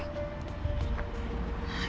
tak boleh takut